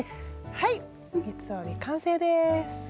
はい三つ折り完成です。